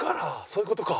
そういう事か！